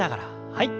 はい。